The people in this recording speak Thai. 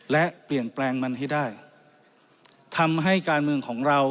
และเปลี่ยนแปลงมันให้ได้ทำให้การเมืองของเรา